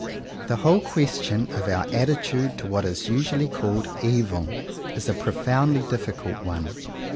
The whole question of our attitude towards what is usually called "evil" is a profoundly difficult one.